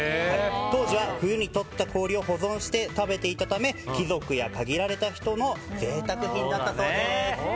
当時は冬にとった氷を保存して食べていたため貴族や限られた人の贅沢品だったそうです。